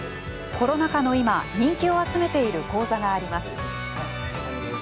コロナ禍の今人気を集めている講座があります。